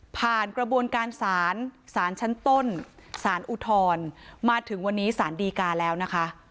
กระบวนการศาลศาลชั้นต้นสารอุทธรณ์มาถึงวันนี้สารดีกาแล้วนะคะ